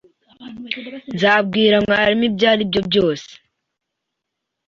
Nzabwira mwarimu ibyaribyo byose.